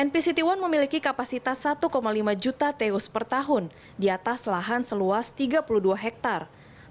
npct satu memiliki kapasitas satu lima juta teus per tahun di atas lahan seluas tiga puluh dua hektare